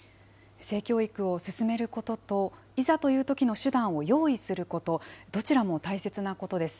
性教育を進めることと、いざというときの手段を用意すること、どちらも大切なことです。